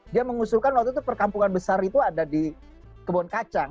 dia mengusulkan waktu itu perkampungan besar itu ada di kebun kacang